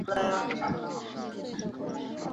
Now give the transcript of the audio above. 刘氏石龙子为石龙子科石龙子属的爬行动物。